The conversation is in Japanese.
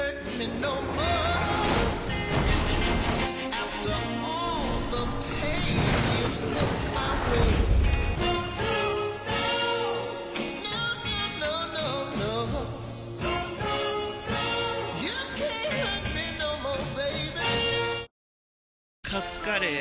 ああカツカレー？